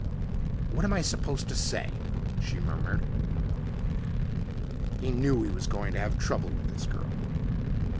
"What am I supposed to say?" she murmured. He knew he was going to have trouble with this girl.